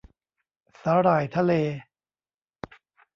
สาหร่ายทะเล ?